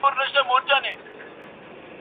o ډبره د يتيم د سره نه چپېږى.